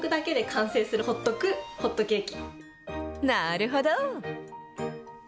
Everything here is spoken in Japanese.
なるほど。